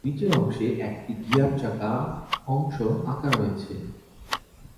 নিচের অংশে একটি গিয়ার চাকা অংশ আঁকা রয়েছে।